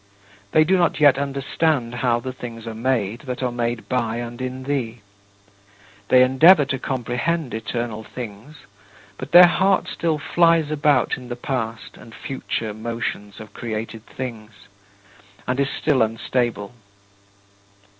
They do not yet understand how the things are made that are made by and in thee. They endeavor to comprehend eternal things, but their heart still flies about in the past and future motions of created things, and is still unstable.